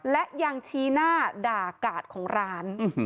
และยังชี้หน้าด่ากาดของร้าน